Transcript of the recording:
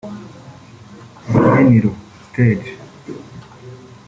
urubyiniro(stage)…